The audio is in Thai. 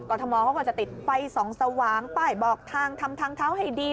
ทมเขาก็จะติดไฟส่องสว่างป้ายบอกทางทำทางเท้าให้ดี